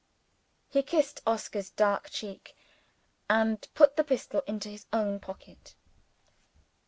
He kissed Oscar's dark cheek, and put the pistol into his own pocket.